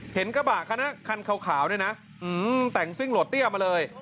เห็นกระบะคันนั้นคันขาวเนี่ยนะแต่งซิ่งโหลดเตี้ยมาเลย